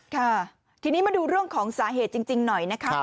ค่ะทีนี้มาดูเรื่องของสาเหตุจริงหน่อยนะคะ